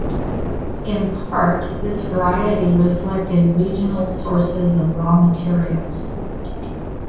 In part this variety reflected regional sources of raw materials.